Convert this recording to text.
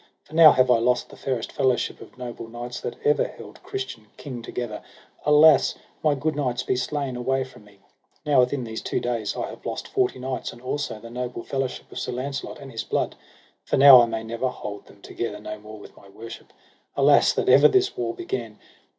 for now have I lost the fairest fellowship of noble knights that ever held Christian king together. Alas, my good knights be slain away from me: now within these two days I have lost forty knights, and also the noble fellowship of Sir Launcelot and his blood, for now I may never hold them together no more with my worship. Alas that ever this war began.